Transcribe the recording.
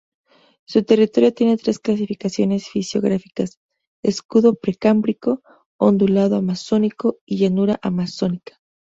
Su territorio tiene tres clasificaciones fisiográficas: escudo precámbrico, ondulado amazónico y llanura amazónica.